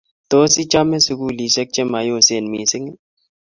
Tos, ichame sugulisheek chemayosen missing?